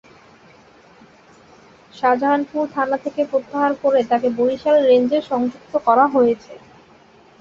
শাজাহানপুর থানা থেকে প্রত্যাহার করে তাঁকে বরিশাল রেঞ্জে সংযুক্ত করা হয়েছে।